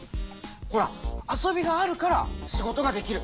ほら遊びがあるから仕事ができる。